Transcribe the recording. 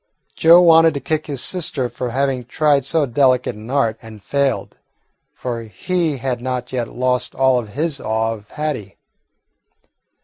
Joe wanted to kick his sister for having tried so delicate an art and failed, for he had not yet lost all of his awe of Hattie.